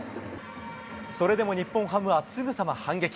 それでも日本ハムはすぐさま反撃。